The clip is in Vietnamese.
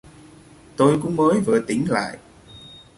Tôi cũng mới vừa tỉnh lại